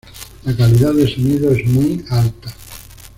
La calidad de sonido es muy alta.